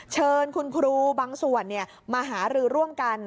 เชิญคุณครูบางส่วนมาหารือร่วมกัน